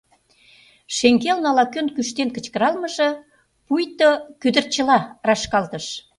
Шеҥгелне ала-кӧн кӱштен кычкыралмыже пуйто кӱдырчыла рашкалтыш.